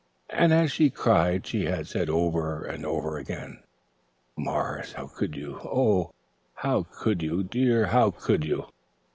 And as she cried she had said over and over again: "Morris, how could you? Oh, how could you, dear? How could you?"